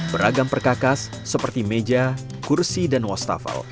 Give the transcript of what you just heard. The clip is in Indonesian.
beragam perkakas seperti meja kursi dan wastafel